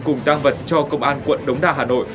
cùng tang vật cho công an quận đống đà hà nội